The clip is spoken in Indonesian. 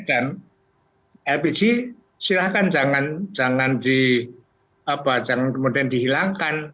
dan lpg silahkan jangan dihilangkan